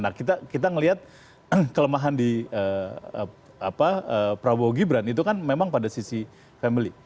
nah kita melihat kelemahan di prabowo gibran itu kan memang pada sisi family